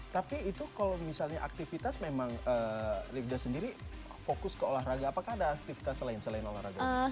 tapi itu kalau misalnya aktivitas memang lifda sendiri fokus ke olahraga apakah ada aktivitas lain selain olahraga